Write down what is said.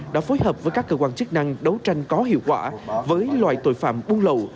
đã phối hợp với các cơ quan chức năng đấu tranh có hiệu quả với loại tội phạm buôn lậu